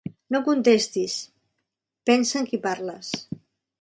No contestis. Pensa am qui parles.